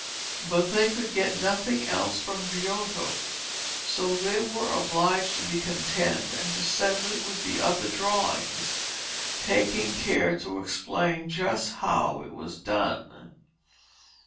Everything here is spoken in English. But they could get nothing else from Giotto, so they were obliged to be content and to send it with the other drawings, taking care to explain just how it was done.